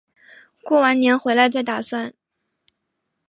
过完年回来再打算